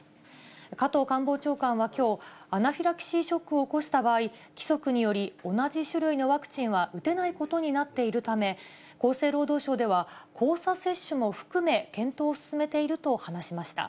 加藤官房長官はきょう、アナフィラキシーショックを起こした場合、規則により同じ種類のワクチンは打てないことになっているため、厚生労働省では交差接種も含め、検討を進めていると話しました。